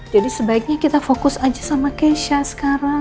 jadi sebaiknya kita fokus aja sama keisha sekarang